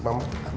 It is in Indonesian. mama tuh aman